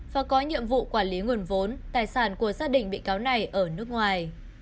và có nhiệm vụ quản lý nguồn vốn tài sản của gia đình bị cáo này ở nước ngoài